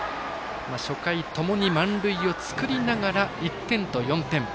初回ともに満塁を作りながら１点と４点。